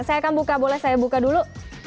saya akan buka boleh saya buka dulu